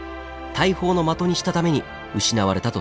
大砲の的にしたために失われたと伝えられています。